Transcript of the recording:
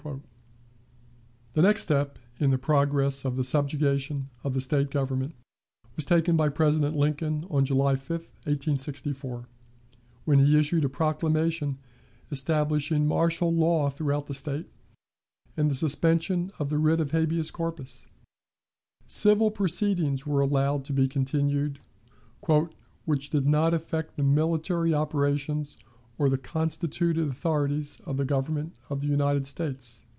The next step in the progress of the subjugation of the State government was taken by President Lincoln on July 5, 1864, when he issued a proclamation establishing martial law throughout the State, and the suspension of the writ of habeas corpus. Civil proceedings were allowed to be continued, "which did not affect the military operations or the constituted authorities of the Government of the United States."